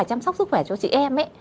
chăm sóc sức khỏe cho chị em